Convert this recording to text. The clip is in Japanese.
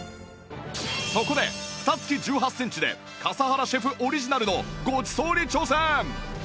そこで蓋付き１８センチで笠原シェフオリジナルのごちそうに挑戦！